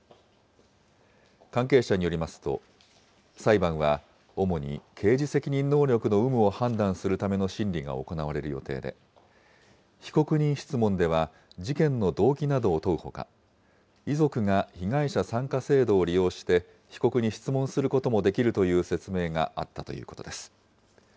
関係者によりますと、裁判は主に、刑事責任能力の有無を判断するための審理が行われる予定で、被告人質問では、事件の動機などを問うほか、遺族が被害者参加制度を利用して、被告に質問することもできるという説明があったということです。